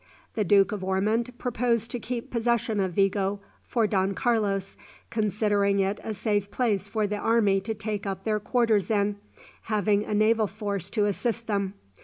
The Duke of Ormond proposed to keep possession of Vigo for Don Carlos, considering it a safe place for the army to take up their quarters in, having a naval force to assist them.